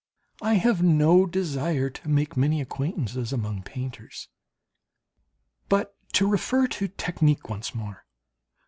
I have no desire to make many acquaintances among painters. But to refer to technique once more.